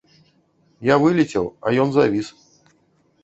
Я вылецеў, а ён завіс.